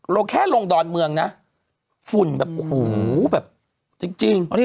เราแค่ลงดอนเมืองนะฝุ่นแบบโอ้โหแบบจริง